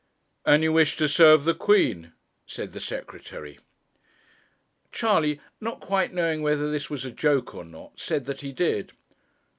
'And you wish to serve the Queen?' said the Secretary. Charley, not quite knowing whether this was a joke or not, said that he did.